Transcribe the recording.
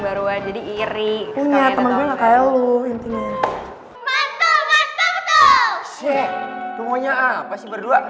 baruan jadi iri punya teman gue kayak lu intinya mantul mantul betul tunggu nya apa sih berdua